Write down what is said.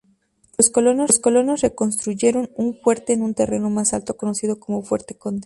Los colonos reconstruyeron un fuerte en un terreno más alto conocido como Fuerte Conde.